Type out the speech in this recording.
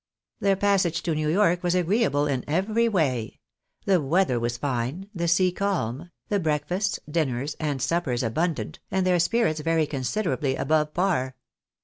Their passage to New York was agreeable in every way. The weather was fine, the sea calm, the breakfasts, dinners, and suppers, abundant, and their spirits very considerably above par.